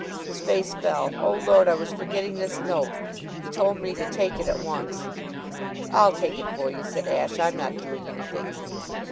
His face fell. "Oh, Lord, I was forgetting this note. He told me to take it at once." "I'll take it for you," said Ashe. "I'm not doing anything."